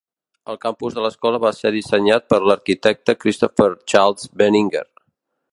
El campus de l'escola va ser dissenyat per l'arquitecte Christopher Charles Benninger.